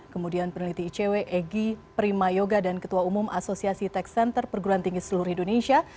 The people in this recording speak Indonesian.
kemudian peneliti icw egy prima yoga dan ketua umum asosiasi tech center perguruan tinggi seluruh indonesia